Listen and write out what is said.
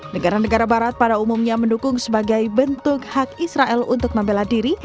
negara negara barat pada umumnya mendukung sebagai bentuk hak israel untuk membela diri